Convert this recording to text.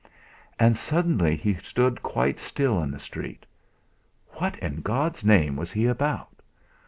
And suddenly he stood quite still in the street. What in God's name was he about?